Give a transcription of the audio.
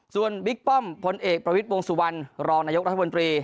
ส่วนบิ๊กป้อมพลเอกประวิทย์วงสุวรรณรองนายกรัฐมนตรี